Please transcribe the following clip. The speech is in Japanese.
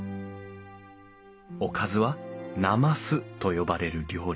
おかずは膾と呼ばれる料理。